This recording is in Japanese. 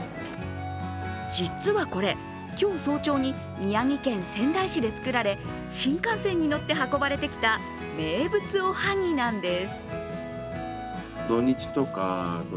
実はこれ、今日早朝に宮城県仙台市で作られ新幹線に乗って運ばれてきた名物おはぎなんです。